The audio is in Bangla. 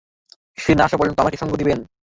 সে না আসা পর্যন্ত আপনি আমাকে সঙ্গ দিবেন?